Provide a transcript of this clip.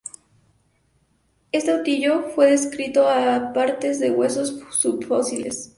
Este autillo fue descrito a partir de huesos subfósiles.